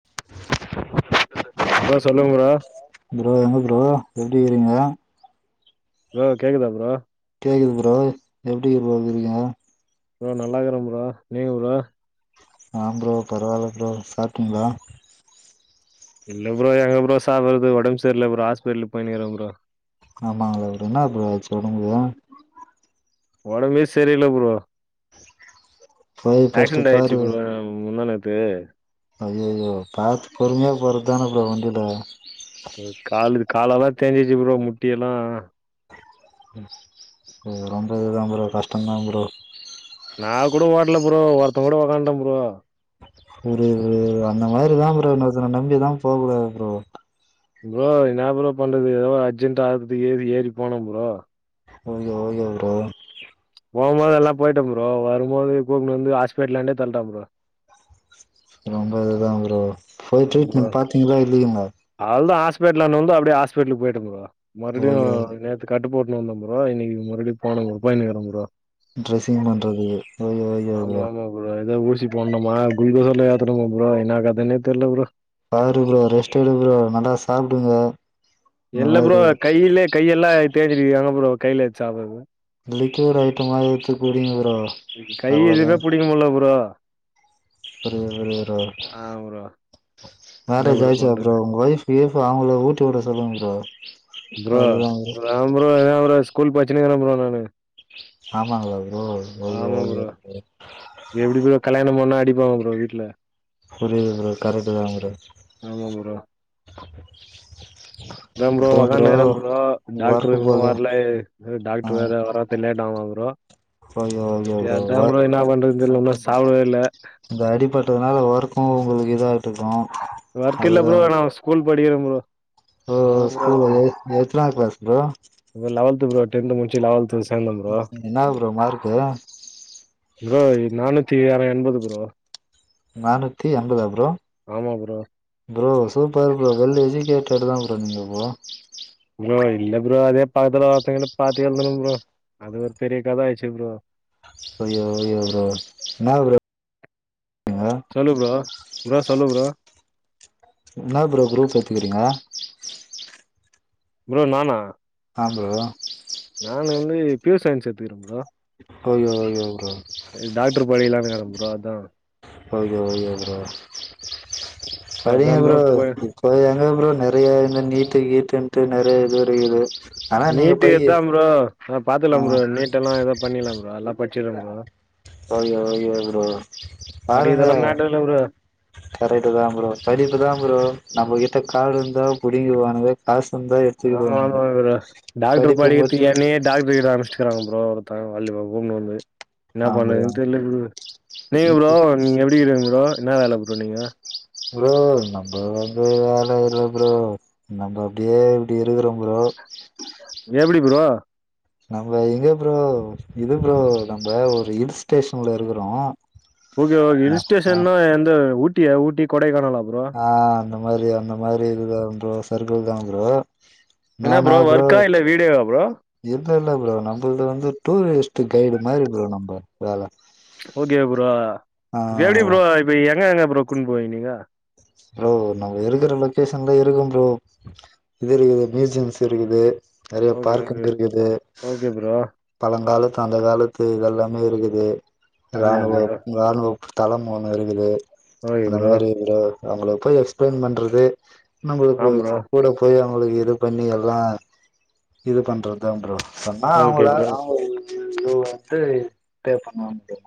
[inaudible] Bro சொல்லுங்கா bro bro எங்க bro எப்டிகிரிங்க ப்ரோ கேக்குதா ப்ரோ கேக்குது ப்ரோ எப்டி போ இருக்கிங்க ப்ரோ நல்லாக்ர ப்ரோ நீங்க ப்ரோ ஆம் ப்ரோ பரவால்ல ப்ரோ சாப்டீங்களா இல்ல ப்ரோ எங்க ப்ரோ சாப்பறது ஒடம்பு சரில்ல ப்ரோ ஹஸ்பிட்டல் போயினுங்கிற ப்ரோ ஆமாங்களா என்ன ப்ரோ ஆச்சு ஒடம்புக்கு ஒடம்பே சேரில்ல ப்ரோ போய் ஃபஸ்ட்டு ஆக்சன்ட் ஆயிடுச்சு பாரு ப்ரோ முந்தானேத்து ஐயோயோ பாத்து பொறுமையா போறதுதானே ப்ரோ வண்டியில காலு கால எல்லா தேஞ்சிச்சு ப்ரோ முட்டி எல்லா ம் ப்ரோ ஓரு அம்பது தா ப்ரோ கஷ்டதா ப்ரோ நா கூட ஓட்ல ப்ரோ ஒரத்தன் கூட உக்காண்டே ப்ரோ ஒரு அந்த மாரிதா ப்ரோ இன்னொருத்தன நம்பிதா போக கூடாது ப்ரோ ப்ரோ என்னா ப்ரோ பண்றது எதோ அர்ஜென்டா ஆகுறதுக்கு ஏறி ஏறி போனோ ப்ரோ ஓகே ஓகே ப்ரோ போ போது நல்லா போயிட்டே ப்ரோ வருபோது கூப்னு வந்து ஹாஸ்பிட்டலாண்டே தள்ட்டா ப்ரோ ஓரு அம்பது தா ப்ரோ போய் ட்ரீட்மெண்ட் பாத்தீங்களா இல்லையாங்களா அவ்ள்தா ஹாஸ்பிட்டல் நுந்து அப்டியே ஹாஸ்பிடலுக்கு போயிட்ட ப்ரோ மறுவடியு ஓகே நேத் நேத்து கட்டு போட்டு வந்த ப்ரோ இன்னைக்கு மறுவடியு போனங்க போய்னுக்குறே ப்ரோ டிரெஸிங் பண்றது ஆமா ஆமா ப்ரோ ஏதோ ஊசி போட்னோமா குளுக்கோஸ்லா ஏத்தனோமா ப்ரோ என்னா கதனே தெரியல ப்ரோ பாரு ப்ரோ ரெஸ்ட் எடு ப்ரோ நல்லா சாப்டுங்க இந்த இல்ல ப்ரோ மாரி கையிலயே கையெல்லா தேஞ்சிருக்குது அங்க ப்ரோ கையில எப்டி சாப்பறது லிக்யூட் ஐட்டமாரி எடுத்து குடிங்க ப்ரோ கை அவ்ளோதா எதுமே புடிக்க முடில ப்ரோ ஒரே ஒருரோ ஆ ப்ரோ. என்ன மேரேஜ் ஆய்ச்சா பண்றது? ப்ரோ உங்க வய்ஃப் பீஃப்லா அவ்ங்ள ஊட்டி உட சொல்லுங் ப்ரோ ப்ரோ அதுதா ப்ரோ ராம் ப்ரோ ஏதாவ் ஒர ஸ்கூல் பச்சினிக்ற ப்ரோ நானு ஆமாங்ளா ப்ரோ ஓகே ஓகே எப்டி ப்ரோ கல்யாணம் பண்ணா அடிப்பாங்க ப்ரோ வீட்ல புரியிது ப்ரோ கரக்ட்டுதா ப்ரோ ஆமா ப்ரோ. அதா ப்ரோ வக்கானுக்குறே ப்ரோ டாக்ட்ரு ஒர்க்கு இன்னு போலயா வர்லயே ஏ ஆ டாக்டர் வேற வரா தில்லேட்டாங்கா ப்ரோ ஓகே ஓகே என்த்தா ஒ ப்ரோ என்னா பண்றத் தெர்ல ஒன்னு சாப்டவே இல்ல இந்த அடிபட்டதுனால வர்க்கு உங்களுக்கு இதாட்ருக்கு வர்க் இல்ல ப்ரோ நாம் ஸ்கூல் படிக்கிறே ப்ரோ ஓ அதான் ப்ரோ ஸ்கூலு எத்தனா க்ளாஸ் ப்ரோ இல லவல்த் ப்ரோ டென்த்து முடிச்சு லவெல்த்து சேந்தோம் ஃப்ரோ என்ன ப்ரோ மார்க்கு ப்ரோ நானூத்தி ஆறா எண்பது ப்ரோ நானூத்தி எம்பதா ப்ரோ ஆமாம் bro bro super bro well educated தா ப்ரோ நீங்க ப்ரோ ப்ரோ இல்ல ப்ரோ அதே பக்கத்துல ஒர்த்தங்கிட்ட பாத்தே எழ்ந்தனும் ப்ரோ அது ஒரு பெரிய கத ஆய்ச்சி ப்ரோ பொய்யோ ஒயோ ப்ரோ இன்னா ப்ரோ சொல்லு ப்ரோ இன்னா சொல்லு ப்ரோ என்னா ப்ரோ க்ரூப் எத்துக்கிறீங்க ப்ரோ நானா ஆ ப்ரோ நான் வந்து ப்யூர் சயின்ஸ் எத்துக்கிறே ப்ரோ ஓகே ஓகே ப்ரோ எ டாக்ட்ரு படிக்கிலான் இக்கற ப்ரோ அத்தா ஓகே ஓகே ப்ரோ சரி படிங்க அதான் ப்ரோ ஏ எங்க ப்ரோ நெறையா இந்த நீட்டு கீட்டுன்ட்டு நெறையா இது இருக்குது ஆனா நீங்க நீட்டு படி எத்தா ப்ரோ அ ஆ பாத்துல்லாம் ப்ரோ நீட் எல்லா எதா பண்ணில்லாம் ப்ரோ அல்லா பச்சிரு ப்ரோ ஓகே ஓகே ப்ரோ பாருங்க படிக்கிறதெல்லா மேட்டர் இல்ல ப்ரோ கரெட்டு தா ப்ரோ படிப்பு தா ப்ரோ நம்மகிட்ட காடு இந்தா புடுங்கிடுவானுங்க ஆ சுந்த எட் ஆமாமா ப்ரோ டாக்டர் படிக்கித்துக்கு மட்டு என்னையேட் டாக்ட்ருட்ட அனுச்ட்டுக்குறாங் ப்ரோ ஒருத்த வல்லு‌வ கூட்னு வந்து என்னா ஆ ப்ரோ பண்ணுதுன் தெர்ல பு நீங்க ப்ரோ நீங் எப்டிக்கிறிங் ப்ரோ என்னா வேல ப்ரோ நீங்க ப்ரோ நம்ப வந்து வேல இல்ல ப்ரோ நம்ப அப்டியே இப்டி இருக்குறோம் ப்ரோ எப்டி ப்ரோ நம்ப எங்க ப்ரோ இது ப்ரோ நம்ப ஒரு ஹில் ஸ்டேஷன்ல இருக்குறோ ஓகே ஓக் ந ஆ இல்ஸ்டேஷன்னா எந்த ஊட்டியா ஊட்டி கொடைக்கானலா ப்ரோ ஆ அந்த மாரி அந்த மாரி இதுதா ப்ரோ சர்க்குள் தா ப்ரோ என்ன ப்ரோ வர்க்கா இல்ல வீடியோவா ப்ரோ இல் இல்ல ப்ரோ நம்புள்து வந்து டூரிஸ்ட்டு கைடு மாறி ப்ரோ நம்ப வேல ஓகே ப்ரோ ஆ இப் எப்டி ப்ரோ இப் எங்க எங்க ப்ரோ கூன் போவீ நீங்க ப்ரோ நம் இருக்கிற லொக்கேஷன்லா இருக்கு ப்ரோ இது இருக்குது ம்யூசியம்ஸ் இருக்குது நெறைய ஓகே ஓகே பார்க்கண்ட் இருக்குது ஓகே ப்ரோ பழங்காலத்து அந்த காலத்து இதெல்லாமே இருக்குது ஆமா இராணுவ ப்ரோ இராணுவத் தளம் ஒன்னு இருக்குது ஓகே அந்த ப்ரோ மாரி இதுல அவ்ங்கள போய் எக்ஸ்பிளைன் பண்றது நம்பளுக்கு ஆ ப்ரோ கூட போய் அவ்ங்களுக்கு இது பண்ணி எல்லா இது பண்றது தா ப்ரோ சொன்னா ஓகே அவ்ங்கள ப்ரோ அவங்கள இது இது இது வந்ட்டு பே பண்ணவா முடியு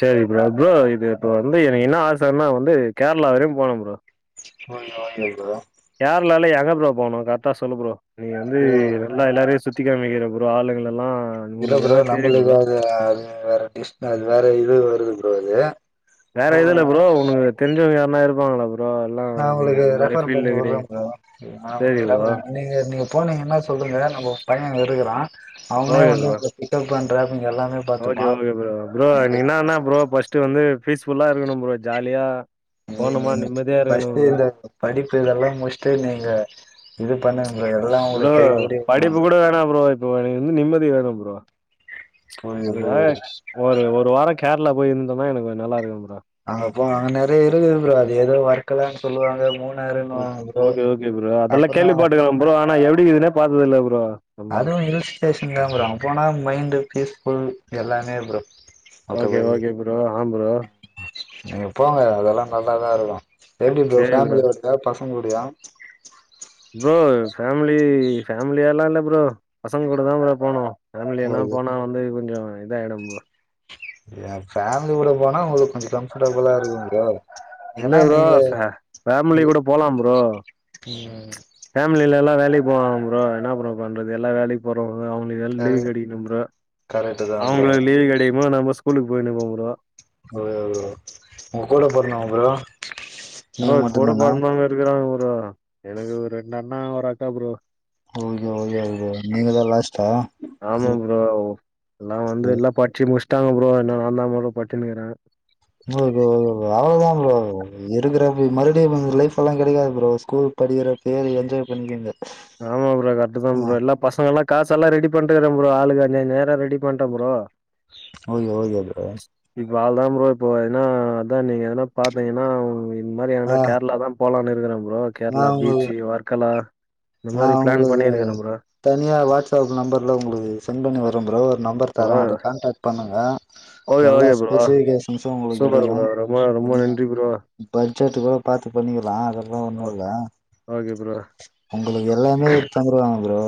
சேரி ப்ரோ ப்ரோ இது இப்ப வந்து எனக்கு என்ன ஆசன்னா வந்து கேர்ளா வரையு போணு ப்ரோ [unintelligible] கேர்ளால எங்க ப்ரோ போனு கரக்டா சொல்லு ப்ரோ நீ வந்து ப்ரோ இத எல்லா எல்லாரையு சுத்தி காமிக்குற ப்ரோ ஆளுங்களெல்லா இல்ல ப்ரோ நம்மளுக்கு அது அது வேற டிஷ் அது வேற இது வருது ப்ரோ அது வேற எதுல ப்ரோ உனக்கு தெரிஞ்சவ்ங்க யாருனா இருப்பாங்களா ப்ரோ எல்லா நா நீங்க உங்களுக்கு அந்த மாரி ரெஃபர் ஃபீல்ட்ல பண்ணி வுட்றே இருக்கிறீங்க ப்ரோ இது நா சரி உங்க ப்ரோ ரெஃபர் நீங்க நீங்க போனீங்கனா சொல்லுங்க நம்ம பைய இருக்கிறா அவ்னே ஓகே வந்து ப்ரோ உங்கள பிக்கப் பண்றேனு எல்லாமே ஓகே பாத்துப்பா ஓகே ப்ரோ ப்ரோ நீங்க எனக்கு என்னானா ப்ரோ ஃபஸ்ட்டு வந்து பீஸ் ஃபுல்லா இருக்கணு ப்ரோ ஜாலியா நீ போனமா நீங்க நிம்மதியா இருக்கணு ஃபஸ்ட்டு ப்ரோ இந்த படிப்பு இதெல்லா முட்ச்சுட்டு நீங்க இது பண்ணுங்க ப்ரோ எல்லா உங்களுக்கு கை கூடி வரு இப்ப வேணா ப்ரோ இப்ப வ எனக்கு வந்து நிம்மதி வேணு ப்ரோ புரியுது அதுக்காக புரியுது ஒரு ஒரு வார கேரளா போய் இருந்தாதா எனக்கு நல்லா இருக்கு ப்ரோ அங்க போனா அங்க நெறைய இருக்குது ப்ரோ அது எதோ வர்கலான் சொல்லுவாங்க மூணு பட் ஓகே ஓகே ப்ரோ அதெல்லா கேள்வி பட்ருக்காங்க ப்ரோ ஆனா எப்டிக்குதுனே பாத்ததில்ல ப்ரோ ஆமா அதுவு ஹில்ஸ் ஸ்டேஷன் தா ப்ரோ அங்க போனா மைண்டு பீஸ் ஃபுல் எல்லாமே ப்ரோ ஓகே மத்தபடி ஓகே ப்ரோ ஆ ப்ரோ நீங்க போங்க அதெல்லா நல்லாதா இருக்கு எப்டி இந்த சேரி ப்ரோ ஃபேம்லியோடையா பசங்களூடையா ப்ரோ ஃபேமிலி ஃபேமிலியாலா இல்ல ப்ரோ பசங்க கூட தா ப்ரோ போனு ஃபேமிலியனா உங்களுக்கு போனா வந்து இவுங்க இத ஆயிடு ப்ரோ ஏ ஃபேம்லி கூட போனா உங்களுக்கு கொஞ்ச கம்ஃபர்ட்டபுளா இருக்கு ப்ரோ இல்ல ஏன்னா ப்ரோ நீங்க ச ஃபேம்லிக் கூட போலா ப்ரோ ம் ஃபேம்லில எல்லா வேலைக்கு போவாங்க ப்ரோ என்ன ப்ரோ பண்றது எல்லா வேலைக்கு போறவ்ங்க அவங்களுக்கெல்லா க லீவு கெடைக்கனு ப்ரோ கரெக்ட் தா ப்ரோ அவங்களுக்கு லீவு கெடைக்கும் போது நம்ம ஸ் ஸ்கூலுக்கு போயினு இருப்போ ப்ரோ ஓரே [unintelligible] உங்க கூட பொறந்தவ்ங்க ப்ரோ ப்ரோ நீங்க கூட மட்டுந்தானா பொறந்தவ்ங்க இருக்கிறாங்க ப்ரோ எனக்கு ஒரு ரெண்டு அண்ணா ஒரு அக்கா ப்ரோ ஓகே ஓகே ப்ரோ நீங்கதா லாஸ்ட்டா ஆமா ப்ரோ எல்லா வந்து ஓகே எல்லா படிச்சு முட்ச்சிட்டாங்க ப்ரோ என்ன நாந்தா மொத பட்ச்சினுக்கிறே சும்மா இரு ப்ரோ உனக்கு அவளதா ப்ரோ இருக்குறப்ப மறுபடியு இந்த லைஃப் எல்லா கெடைக்காது ப்ரோ ஸ்கூல் படிக்கிற அப்பயே அத என்ஜாய் பண்ணிக்கிங்க ஆமா ப்ரோ கரெக்ட்டுதா ப்ரோ எல்லா பசங்களா காசெல்லா ரெடி பண்ட்டுக்கிறே ப்ரோ ஆளுக்கு அஞ்சஞ்சாயிர ரெடி பண்டே ப்ரோ ஓகே ஓகே ப்ரோ இப்ப ஆள் தா ப்ரோ இப்போ ஏனா அதா நீங்க எதனா பா்த்தீங்கனா ஒரு இந்த மாரி எதனா ஆ கேர்ளா தா போலான்னு இருக்கிறே ப்ரோ நா கேர்ளா உங்களுக்கு பீச்சு வர்க்கலா இந்த நா மாரி பிளான் உங்களுக்கு பண்ணிருக்குறே ப்ரோ தனியா வாட்ஸ்அப் நம்பர்ல உங்களுக்கு சென்ட் பண்ணி விட்றே ப்ரோ நம்பர் ஓ தரே அத கான்டாக்ட் பண்ணுங்க ஓகே எல்லா ஓகே ப்ரோ ஸ்பெசிஃபிகேஷன்ஸு உங்களுக்கு சூப்பர் கெடைக்கு ப்ரோ ரொம்ப ரொம்ப என்னா நன்றி ப்ரோ இப்ப அஞ்சாயிர்த்தக்கூட பாத்து பண்ணிக்கிர்லா அதெல்லா ஓ ஒன்னு இல்ல ஓகே ப்ரோ ஒங்களுக்கு எல்லாமே தந்துருவாங்க ப்ரோ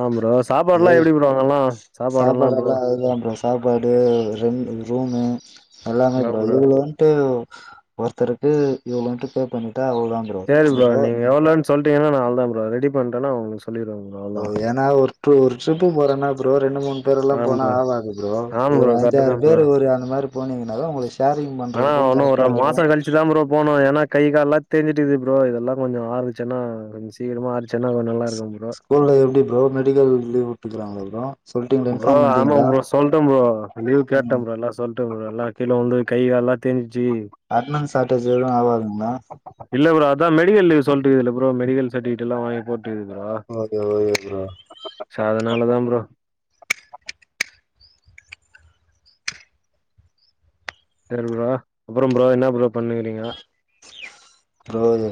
ஆ ப்ரோ சாப்பாடுலா எப்டி ப்ரோ அங்கலா சாப்பாடெல்லா ப்ரோ ஓகேதா ப்ரோ சாப்பாடு ரெண்டு ரூமு எல்லாமே ப்ரோ இவ்ளோன் ட்டு ஒருத்தருக்கு இவ்ளோன்ட்டு பே பண்ணிட்டா அதோட அங் சேரி ப்ரோ நீங்க எவ்ளோனு சொல்ட்டீங்கனா நா அவ்ளதா ப்ரோ ரெடி பண்ட்டனா உங்களுக்கு சொல்லிருவே ப்ரோ அவ்ளதா ஏ ஏனா ஒரு டூர் ஒரு ட்ரிப்பு போறேனா ப்ரோ ரெண்டு மூணு பேரெல்லா ஆம் போனா ப்ரோ ஆவாது ப்ரோ ஆம் ஒரு ப்ரோ கரெக்ட்டு அஞ்சாறு பேரு கீரு அந்த மாதிரி போனீங்கனா தா உங்களுக் அதா இன்னு ஒரு மாச கழிச்சுதா ப்ரோ போணு ஏனா கை கால்லா தேஞ்சுட்டுக்குது ப்ரோ இதெல்லா கொஞ்ச ஆறுச்சுனா கொஞ்ச சீக்கிரமா ஆறுச்சுனா கொஞ்ச நல்ல இருக்கு ப்ரோ ஊர்ல எப்டி ப்ரோ மெடிக்கல் லீவ் விட்டுக்கிறாங்களா ப்ரோ சொல்ட்டீங்களா ப்ரோ இன்ஃபார்ம் ஆமா பண்ட்டீங்களா ப்ரோ சொல்ட ப்ரோ லீ்வ் கேட்டே ம் ப்ரோ எல்லா சொல்ட்டே ப்ரோ எல்லா கீழ விழுந்து கை கால்லா தேஞ்சுச்சு அட்னன்ஸ் சாட்டேஜ் எது ஆவாதுங்ளா இல்ல ப்ரோ அதா மெடிக்கல் லீவ் சொல்ட்டுக்குதுல ப்ரோ மெடிக்கல் சர்ட்டிபிகேட் எல்லா வாங்கி போட் ஓகே ஓகே ப்ரோ [unintelligible] சோ அதனாள தா ப்ரோ தெரியும்ங்ளா அப்பற ப்ரோ என்ன ப்ரோ பண்ணுகிறீங்க ப்ரோ இது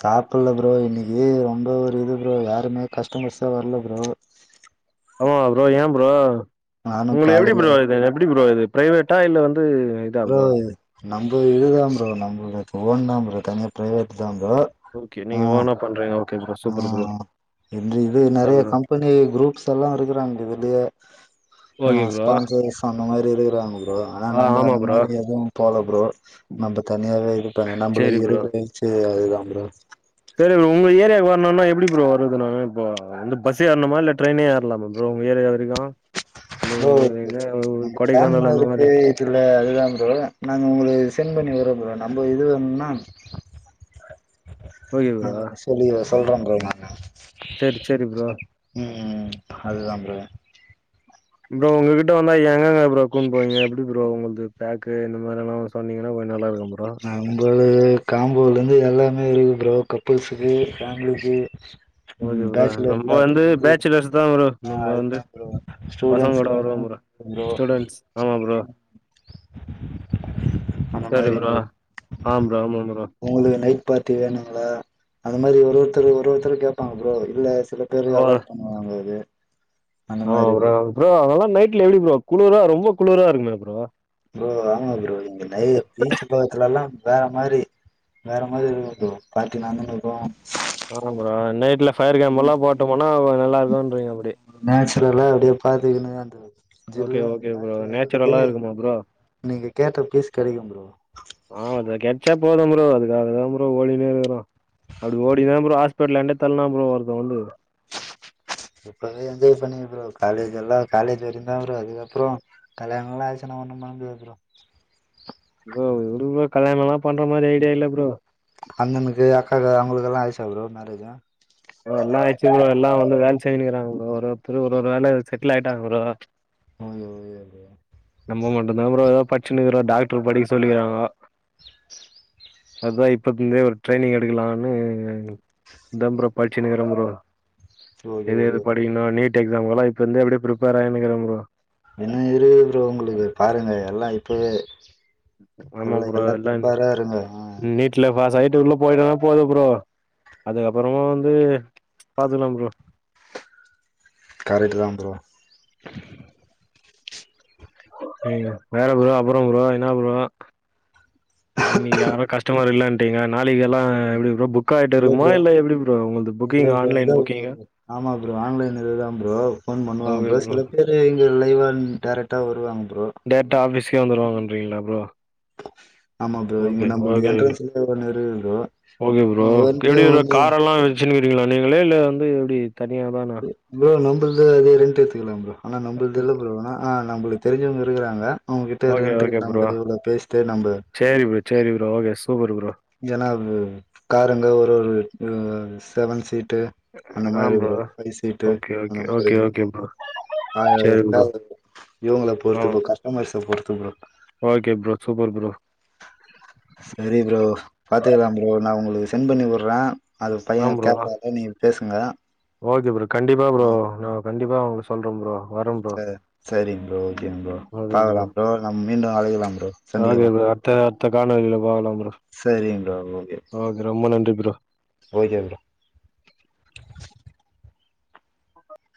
சாப்பிட்ல ப்ரோ இன்னைக்கு ரொம்ப ஒரு இது ப்ரோ யாருமே கஸ்டமர்ஸே வர்ல ப்ரோ ஆமா ப்ரோ ஏ ப்ரோ நானு உங்களுக்கு எப்டி காலையில ப்ரோ இது எப்டி ப்ரோ இது ப்ரைவேட்டா இல்ல வந்து ப்ரோ இது நம்ப இதுதா ப்ரோ நம்மள்து ஓன் தா ப்ரோ தனியா பிரைவேட் தா ப்ரோ ஓகே ஆ நீங்க ஓனா பண்றீங்க ஓகே ப்ரோ சூப்பரு ப்ரோ இந்த இது ஆ நெறைய ப்ரோ கம்பெனி குரூப்ஸ் எல்லா இருக்கிறாங்க இதுலயே அ ஓகே ப்ரோ ஸ்பான்சரிஸ் அந்த மாதிரி இருக்கிறாங்க ப்ரோ ஆனா ஆ நம் ம்ப ஆமா அந்த ப்ரோ மாரி எதுவு போல ப்ரோ நம்ம தனியாவே இருப்போ ஏனா நம்பள சரி இருவரை இது அதுதா ப்ரோ சேரி ப்ரோ உங்க ஏரியாவுக்கு வர்ணுனா எப்டி ப்ரோ வர்றது நாங்க இப்ப வந்து பஸ்ஸு ஏறணுமா இல்ல ட்ரெயினே ஏற்லாமா ப்ரோ உங்க ஏரியா வரைக்கு இல்ல ப்ரோ உங்க இங்க இது எங்கிட்ட டான்மா கொடைக்கானல் அந்த இருக்கு மாரி தில்லி அதுதா ப்ரோ நாங்க உங்களுக்கு சென்ட் பண்ணி விட்றோ ப்ரோ நம்ப இது வேணும்னா ஓகே நா ப்ரோ அப்ப சேரி சொல்ற ப்ரோ நானு சேரி சேரி ப்ரோ ம் ம் அதுதா ப்ரோ ப்ரோ உங்ககிட்ட வந்தா எங்கெங்க ப்ரோ கூட்னு போவீங்க எப்டி ப்ரோ உங்கள்து பேக்கு இந்த மாரியெல்லா சொன்னீங்கனா கொஞ்ச நல்லா இருக்கு ப்ரோ நம்பளுது காம்போலருந்து எல்லாமே இருக்கு ப்ரோ கப்புள்ஸுக்கு ஃபேம்லிக்கு ம் பேச்சுலர் பார்ட்டிக்கு வந்து பேசு தா ப்ரோ ஆ நம்ம வந்து அதுதா ப்ரோ பசங்களோட ஸ்டூடண்ட்ஸ்க்கு வருவோம் வேணுனா ப்ரோ ஸ்டூடண்ட்ஸ். ஆமா ப்ரோ. அந்த சேரி மாரி ப்ரோ ஆமா ப்ரோ ஆமா ப்ரோ உங்களுக்கு நைட் பார்ட்டி வேணுங்களா அது மாரி ஒரு ஒருத்தரு ஒரு ஒருத்தரு கேப்பாங்க ப்ரோ இல்ல சில பேரு ஓ அவாய்ட் பண்ணுவாங்க இது ஆமா ப்ரோ ப்ரோ அங்கெல்லா நைட்ல எப்டி ப்ரோ குளுரா ரொம்ப குளுரா இருக்குமே ப்ரோ ப்ரோ ஆமா ப்ரோ இங்க நெறைய பீச்சு பக்கத்துலலா வேற மாதிரி வேற மாறி இருக்கும் ப்ரோ பார்ட்டி நடந்துன்னு இருக்கும் ஆமா ப்ரோ நைட்ல ஃபயர் கேம்ப் எல்லா போட்டமன்னா கொஞ்சோ நல்லா இருக்குன்றீங்க அப்டி நேச்சர்லா அப்டியே பாத்துக்குணு அந்த ஓகே, ஜில்லுன்னு அந்த ஓகே ப்ரோ. காத்து வர்றதுக்கு நேச்சுரலா இருக்குமா ப்ரோ? நீங்க கேட்ட பீஸ் கிடைக்கும் ப்ரோ ஆ அது கெடைச்சா போதும் ப்ரோ அதுக்காக தா ப்ரோ ஓடினு இருக்கறோ அப்டி ஓடி தா ப்ரோ ஹாஸ்பிட்டல என்ட்ட தள்னா ப்ரோ ஒருத்த வந்து இப்பவே என்ஜாய் பண்ணிக்க ப்ரோ காலேஜ் எல்லா காலேஜ் வரை தா ப்ரோ அதுக்கப்றோ கல்யாணம் எல்லா ஆச்சுன்னா ஒண்ணும் பண்ண முடியாது ப்ரோ ப்ரோ உடு ப்ரோ கல்யாணம் எல்லா பண்ற மாறி ஐடியா இல்ல ப்ரோ அண்ணனுக்கு அக்காக்கு அவங்களுக்கெல்லா ஆயிடுச்சா ப்ரோ மேரேஜு ப்ரோ எல்லா ஆயிடுச்சு ப்ரோ எல்லா வந்து வேலை செஞ்சின்னு இருக்கிறாங்க ப்ரோ ஒரு ஒருத்தரு ஒரு ஒரு வேலை செட்டில் ஆயிட்டாங்க ப்ரோ ஓக்கே ஓக்கே ப்ரோ நம்ம மட்டுந்தா ப்ரோ ஏதோ பச்சுனுயிருக்கறோ டாக்டர் படிக்க சொல்லிக்கிறாங்க அத்தா இப்பத்துல இருந்தே ஒரு ட்ரெயனிங் எடுக்கலான்னு இந்தே ப்ரோ படிச்சினுயிருக்குறே ப்ரோ ப்ரோ ஓகே எது எது ஓகே படிக்கணு நா நீட் எக்ஸாம்க்குல்லா இப்பயிருந்தே அப்டியே பிரிப்பர் ஆயினுயிருக்குறே ப்ரோ இன்னும் இருக்கு ப்ரோ உங்களுக்கு பாருங்க எல்லா இப்பவே ஆமா நல்லா ப்ரோ எல்லா பிரிப்பேரா இருங்க அ நீட்ல பாஸ் ஆயிட்டு உள்ள போயிட்டன்னா போதும் ப்ரோ அதுக்கப்பறமா வந்து பாத்துக்கலா ப்ரோ கரக்ட்டு தா ப்ரோ ம் மேல ப்ரோ அப்புறம் ப்ரோ என்னா ப்ரோ இன்னைக்கு யாரும் கஸ்டமர் இல்லன் உட்டிங்க நாளைக்கு எல்லா எப்டி ப்ரோ புக் ஆயிட்டு இருக்கும்மா இல்ல எப்டி ப்ரோ உங்குள்து இல்ல புக்கிங்கு ப்ரோ அதா ஆன்லைன் புக்கிங்கா ஆமா ப்ரோ ஆன்லைன் இதுதா ப்ரோ ஃபோன் பண்ணுவாங்க ப்ரோ சில பேரு இங்க லைவ் அண்ட் டேரக்டா வருவாங்க ப்ரோ டேரக்டா ஆபிஸ்கே வந்துரு வாங்கன்றீங்ளா ப்ரோ ஆமா ப்ரோ இங்க ஓக்கே நம்மளது ஓக்கே ஓக்கே என்ட்ரன்ஸ்ல ஒன்னு இருக்கு ப்ரோ ஓக்கே ப்ரோ இங்க வந்து எப்டி ப்ரோ வந்து கார் எல்லா வச்சுனுயிருகீங்ளா நீங்களே இல்ல வந்து எப்டி தனியா தானா ப்ரோ நம்பள்து அதே ரெண்ட் எடுத்துக்கலா ப்ரோ ஆனா நம்புள்து இல்ல ப்ரோ ஆனா ஆ நம்பளுக்கு தெரிஞ்சவங்க இருக்கறாங்க அவுங்ககிட்ட ஓகே ரெண்ட் ஓகே ப்ரோ நம்புள்து இவ்ளோ பேசிட்டு நம்ப சேரி ப்ரோ சேரி ப்ரோ‌ ஓக்கே சூப்பர் ப்ரோ ஏன்னா இது காருங்க ஒரு ஒரு ஒ செவன் சீட்டு அந்த மாதிரி ப்ரோ ஃபை சீட்டு ஓகே அந்த ஓகே மாதிரி ஓகே ப்ரோ ஓகே காரு சேரி ப்ரோ எப்டியாது இவங்கள பொறுத்து ப்ரோ கஸ்டமர்ஸ பொறுத்து bro okay bro super bro சரி ப்ரோ பாத்துக்கலா ப்ரோ நா உங்களுக்கு சென் பண்ணிவுட்றே அது பையன் கேரளாவுல நீங்க பேசுங்க ஓக்கே ப்ரோ கண்டிப்பா ப்ரோ ம் நா கண்டிப்பா அவன்கிட்ட சொல்றே ப்ரோ வரே ப்ரோ எது சேரிங்க ப்ரோ ஓக்கேங்க ப்ரோ பாக்கலா ப்ரோ நம்ம மீண்டும் அழைக்கலா ப்ரோ சந்திக்கலா அத்த அத்த காணொலில பாக்கலா ப்ரோ சரிங்க ப்ரோ ஓக்கே ரொம்ப ‌நன்றி ப்ரோ ஓக்கே ப்ரோ